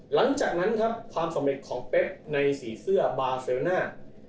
หลังจากนั้นครับความสำเร็จของเป๊กในสีเสื้อบาเซลน่า